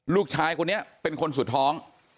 ลูกชายคนนี้เป็นคนสุดท้อง